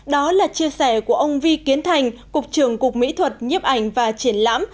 đó là chia sẻ của ông vi kiến thành cục trưởng cục mỹ thuật nhiếp ảnh và triển lãm